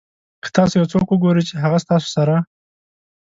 که تاسو یو څوک وګورئ چې هغه ستاسو سره.